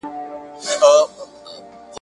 پر دوږخ باندي صراط او نري پلونه ..